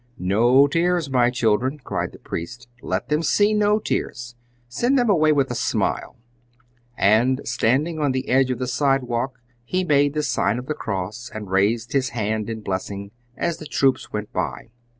"No tears, my children!" cried the priest; "let them see no tears! Send them away with a smile!" And, standing on the edge of the sidewalk, he made the sign of the cross and raised his hand in blessing, as the troops went by.